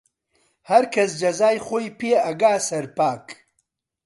هەرکەس جەزای خۆی پێ ئەگا سەرپاک